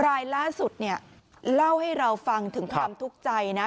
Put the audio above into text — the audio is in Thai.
รายล่าสุดเนี่ยเล่าให้เราฟังถึงความทุกข์ใจนะ